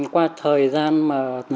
qua thời gian mà